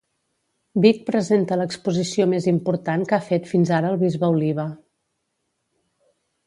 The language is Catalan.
Vic presenta l'exposició més important que ha fet fins ara el bisbe Oliba.